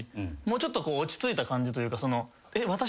もうちょっと落ち着いた感じというか。